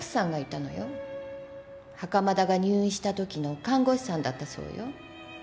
袴田が入院したときの看護師さんだったそうよ。